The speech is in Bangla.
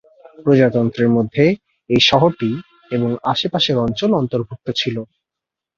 প্রজাতন্ত্রের মধ্যে এই শহরটি এবং আশেপাশের অঞ্চল অন্তর্ভুক্ত ছিল।